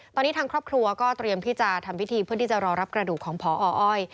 ตอนนี้ทางครอบครัวก็เตรียมที่จะทำพิธีเพื่อที่จะรอรับกระดูกของพออ้อย